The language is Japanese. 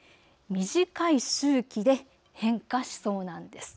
短い周期で変化しそうなんです。